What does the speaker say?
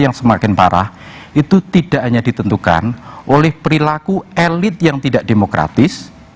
yang semakin parah itu tidak hanya ditentukan oleh perilaku elit yang tidak demokratis